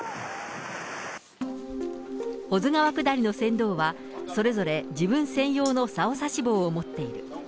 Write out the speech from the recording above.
保津川下りの船頭は、それぞれ自分専用のさおさし棒を持っている。